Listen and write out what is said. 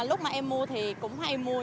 lúc mà em mua thì cũng hay mua